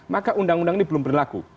maka undang undang ini belum berlaku